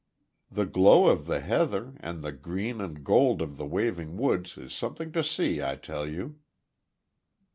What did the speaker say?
The glow of the heather, and the green and gold of the waving woods is something to see, I tell you."